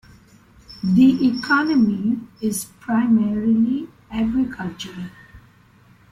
The economy is primarily agricultural.